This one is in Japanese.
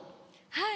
はい。